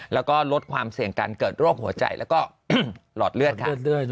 แล้วก็ลดความเสี่ยงการเกิดโรคหัวใจแล้วก็หลอดเลือดค่ะ